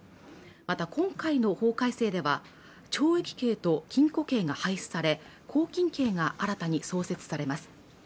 また今回の法改正では懲役刑と禁錮刑が廃止され拘禁刑が新たに創設されます